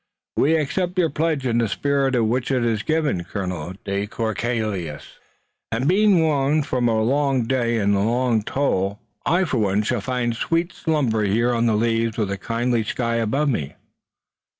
"We accept your pledge in the spirit in which it is given, Colonel de Courcelles," he said, "and being worn from a long day and long toil I, for one, shall find sweet slumber here on the leaves with a kindly sky above me."